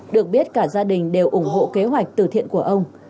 được biết cả gia đình đều ủng hộ kế hoạch từ thiện của ông